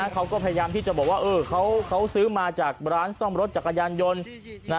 เขาก็พยายามที่จะบอกว่าเขาซื้อมาจากร้านซ่อมรถจักรยานยนต์